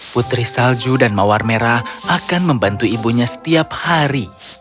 putri salju dan mawar merah akan membantu ibunya setiap hari